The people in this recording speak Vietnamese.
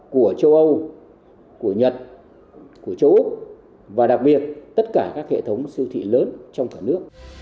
của châu âu của nhật của châu và đặc biệt tất cả các hệ thống siêu thị lớn trong cả nước